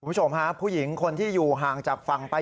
คุณผู้ชมฮะผู้หญิงคนที่อยู่ห่างจากฝั่งไป